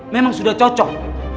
memang sudah cocok